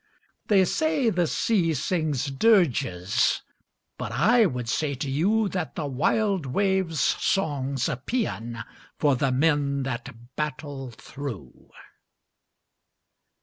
They say the sea sings dirges, But I would say to you That the wild wave's song's a paean For the men that battle through.